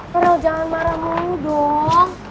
farel jangan marah kamu dong